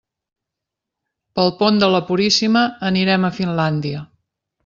Pel pont de la Puríssima anirem a Finlàndia.